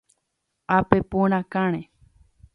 Apepu rakãre.